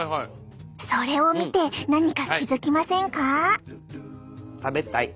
それを見て何か気付きませんか？